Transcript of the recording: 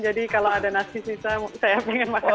jadi kalau ada nasi sisa saya pengen makan